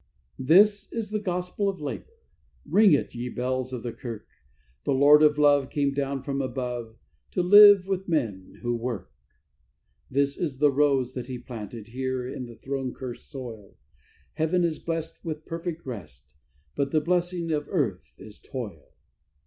This is the gospel of labour, ring it, ye bells of the kirk! The Lord of Love came down from above, to live with the men who work. This is the rose that He planted, here in the thorn curst soil: Heaven is blest with perfect rest, but the blessing of Earth is toil.